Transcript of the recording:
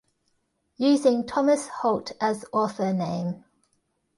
Using Thomas Holt as author name.